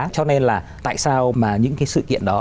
cho nên là tại sao mà những cái sự kiện đó